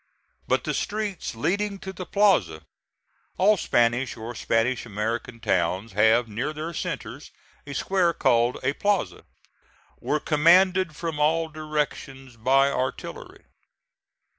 But the streets leading to the plaza all Spanish or Spanish American towns have near their centres a square called a plaza were commanded from all directions by artillery.